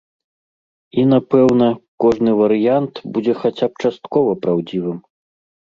І, напэўна, кожны варыянт будзе хаця б часткова праўдзівым.